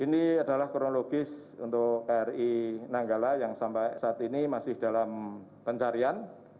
ini adalah kronologis untuk ri nanggala yang sampai saat ini masih dalam pencarian